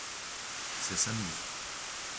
C’est samedi.